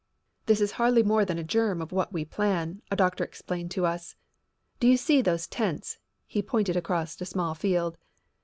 "This is hardly more than a germ of what we plan," a doctor explained to us. "Do you see those tents?" He pointed across a small field.